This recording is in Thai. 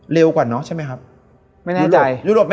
เร็วกว่าเนอะใช่ไหมครับ